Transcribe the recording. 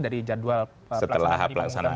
dari jadwal pelaksanaan